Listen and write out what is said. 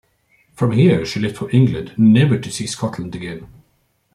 From here she left for England, never to see Scotland again.